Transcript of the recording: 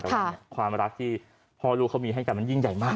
แต่ว่าความรักที่พ่อลูกเขามีให้กันมันยิ่งใหญ่มาก